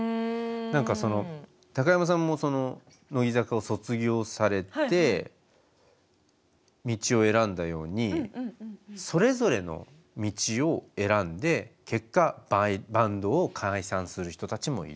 何かその高山さんも乃木坂を卒業されて道を選んだようにそれぞれの道を選んで結果バンドを解散する人たちもいると。